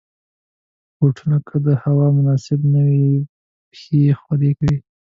بوټونه که د هوا مناسب نه وي، پښې خولې کوي.